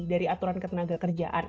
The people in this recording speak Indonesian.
dari aturan ketenaga kerjaan